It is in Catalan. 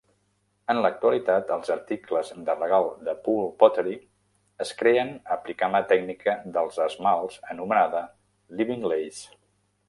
En l'actualitat, els articles de regal de Poole Pottery es creen aplicant la tècnica dels esmalts anomenada "Living Glaze".